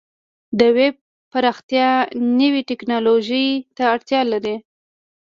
د ویب پراختیا نوې ټکنالوژۍ ته اړتیا لري.